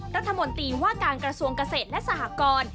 รัฐมนตรีว่าการกระทรวงเกษตรและสหกร